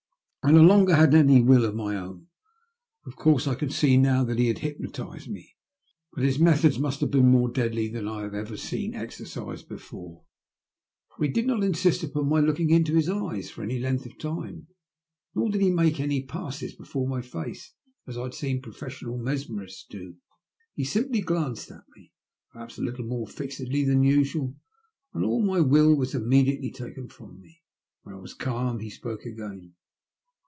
I no longer had any will of my own. Of course I can see now that he had hypnotised me; but his methods must have been more deadly than I have ever seen exercised A OBUESOME TALE. 73 before, for he did not insist upon my looking into his eyes for any length of time, nor did he make any passes before my face as I had seen professional mesmerists do. He simply glanced at me — perhaps a little more fixedly than usual — and all my will was immediately taken from me. When I was calm he spoke again.